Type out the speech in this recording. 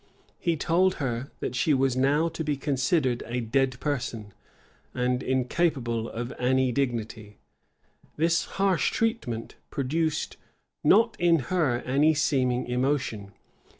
He told her, that she was now to be considered as a dead person, and incapable of any dignity.[] This harsh treatment produced not in her any seeming emotion.